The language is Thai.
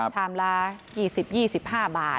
ชามละ๒๐๒๕บาท